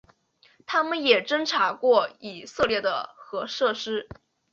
它们也侦察过以色列的核设施。